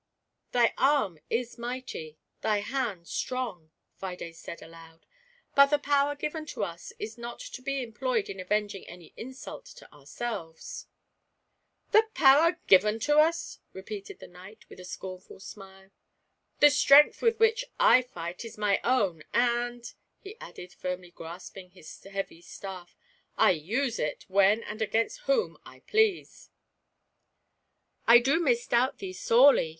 " Thy arm is mighty, thy hand strong," Fides said aloud, " but the power given to us is not to be employed in avenging any insult to ourselves." "The power given to us !" repeated the knight, with a scornful smile; "the strength with which I fight is GIANT PRIDE. 153 ray own, and," he added, firmly grasping his heavy staff, " I use it when, and against whom I please 1" "I do misdoubt thee sorely!"